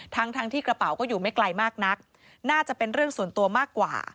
ทั้งทั้งที่กระเป๋าก็อยู่ไม่ไกลมากนักน่าจะเป็นเรื่องส่วนตัวมากกว่า